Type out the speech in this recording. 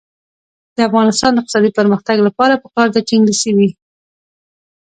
د افغانستان د اقتصادي پرمختګ لپاره پکار ده چې انګلیسي وي.